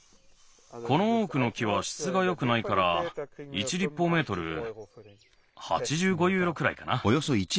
このオークの木はしつがよくないから１りっぽうメートル８５ユーロくらいかな。